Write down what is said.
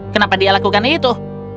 kenapa dia lakukan itu